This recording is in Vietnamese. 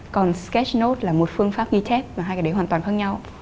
còn sketch note là một phương pháp ghi chép và hai cái đấy hoàn toàn khác nhau